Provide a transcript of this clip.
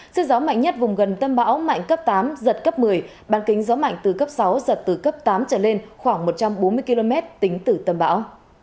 sức gió mạnh nhất vùng gần tâm bão mạnh cấp tám giật cấp một mươi ban kính gió mạnh từ cấp sáu giật từ cấp tám trở lên khoảng một trăm bốn mươi km tính từ tâm bão